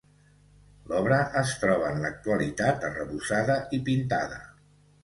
L'obra es troba en l'actualitat arrebossada i pintada.